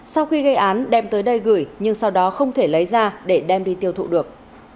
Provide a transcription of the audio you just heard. sau khi gây án đem tới đây gửi nhưng sau đó không thể lấy ra để đem đi tiêu thụ được